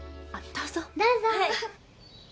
どうぞ！